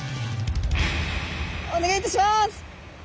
お願いいたします。